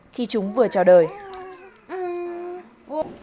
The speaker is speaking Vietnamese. khi chúng vừa trả đồng